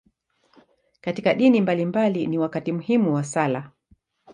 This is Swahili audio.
Katika dini mbalimbali, ni wakati muhimu wa sala.